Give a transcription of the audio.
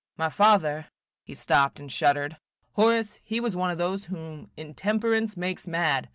My father –" He stopped and shuddered. "Horace, he was one of those whom intemperance makes mad.